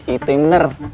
itu yang bener